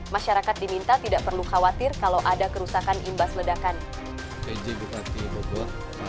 masyarakat diminta tidak perlu khawatir kalau ada kerusakan imbas ledakan